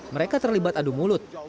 mereka terlibat adu mulut